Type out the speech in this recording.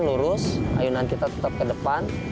kita harus terus ayunan kita tetap ke depan